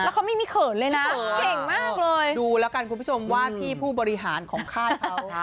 แล้วเขาไม่มีเขินเลยนะเก่งมากเลยดูแล้วกันคุณผู้ชมว่าที่ผู้บริหารของค่ายเขาค่ะ